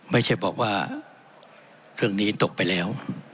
ไม่ใช่บอกว่าเครื่องนี้ตกไปแล้ว